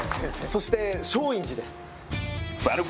そして松陰寺です。